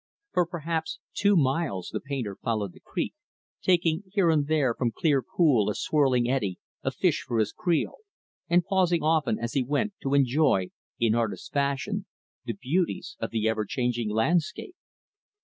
For perhaps two miles, the painter followed the creek taking here and there from clear pool or swirling eddy a fish for his creel, and pausing often, as he went, to enjoy in artist fashion the beauties of the ever changing landscape.